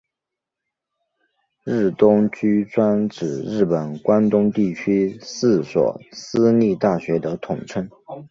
日东驹专指日本关东地区四所私立大学的统称。